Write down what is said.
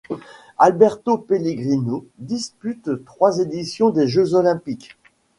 Alberto Pellegrino dispute trois éditions des Jeux olympiques.